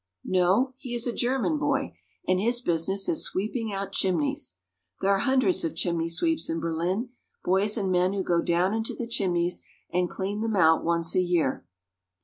No, he is a German boy, and his business is sweeping out chimneys. There are hun dreds of chimney sweeps in Berlin, boys and men who go down into the chimneys and clean them out once a year.